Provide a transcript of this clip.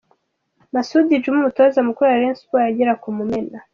Masud Djuma umutoza mukuru wa Rayon Sports agera ku Mumena.